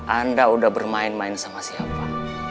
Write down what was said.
anda udah bermain main sama siapa